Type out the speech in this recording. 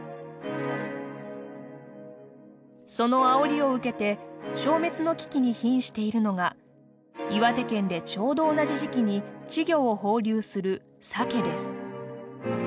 そのあおりを受けて消滅の危機にひんしているのが岩手県でちょうど同じ時期に稚魚を放流するサケです。